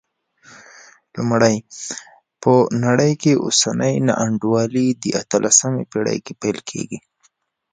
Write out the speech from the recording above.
لومړی، په نړۍ کې اوسنۍ نا انډولي د اتلسمې پېړۍ کې پیلېږي.